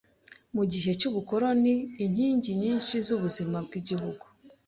Mu gihe cy’ubukoloni, inkingi nyinshi z’ubuzima bw’Igihugu